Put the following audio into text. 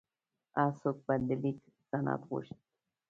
هر څوک به د لیک سند غوښت.